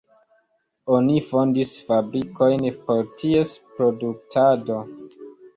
Oni fondis fabrikojn por ties produktado.